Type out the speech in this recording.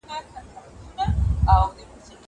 که مطالعه ونه کړې، نو راتلونکې به تا ته ستونزمنه شي.